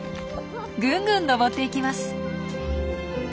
ぐんぐん登っていきます。